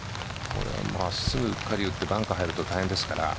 これ真っすぐうっかり打ってバンカー入ると大変ですから。